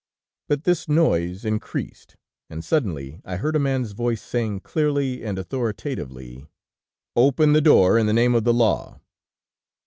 "But this noise increased, and suddenly I heard a man's voice saying clearly and authoritatively: "'Open the door, in the name of the law!'